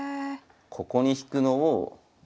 ここに引くのを。